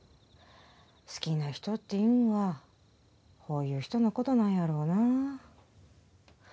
好きな人っていうんはほういう人のことなんやろなあ